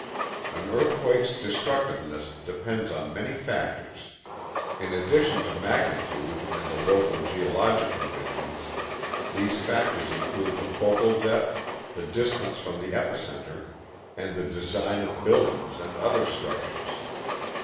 An earthquakeŌĆÖs destructiveness depends on many factors. In addition to magnitude and the local geologic conditions, these factors include the focal depth, the distance from the epicenter, and the design of buildings and other structures.